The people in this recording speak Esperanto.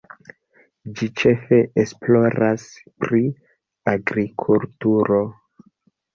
Ĝi ĉefe esploras pri agrikulturo.